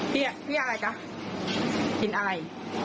พี่อะไรคะชิ้นอาย